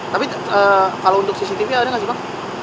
tapi kalau untuk cctv ada nggak sih bang